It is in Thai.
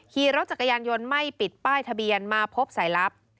ขี่รถจักรยานยนต์ไม่ปิดป้ายทะเบียนมาพบสายลับ